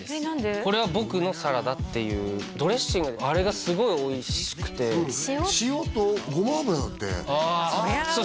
これは僕のサラダっていうドレッシングあれがすごいおいしくて塩と胡麻油だってそりゃ合うよね